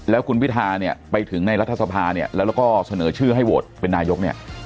แล้วคุณพิทาครรภ์ไปถึงนัยรัฐศรพาแล้วก็เสนอชื่อให้โหวตเป็นนายก